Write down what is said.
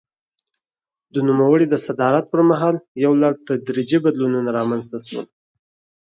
د نوموړي د صدارت پر مهال یو لړ تدریجي بدلونونه رامنځته شول.